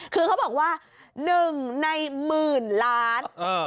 คือเขาบอกว่า๑ในหมื่นล้าน